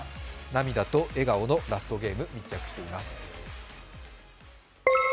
涙と笑顔のラストゲーム、密着しています。